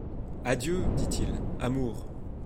Adieu, dit-il, amour !